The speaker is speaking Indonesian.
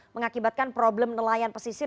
mengakibatkan problem nelayan pesisir